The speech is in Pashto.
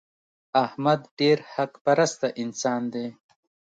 احمد ډېر حق پرسته انسان دی.